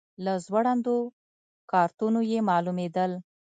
له ځوړندو کارتونو یې معلومېدل.